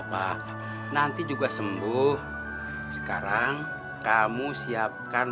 solihin sudah sembuh pak ustad